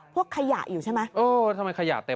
ขยะอยู่ใช่ไหมเออทำไมขยะเต็ม